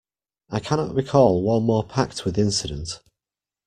I cannot recall one more packed with incident.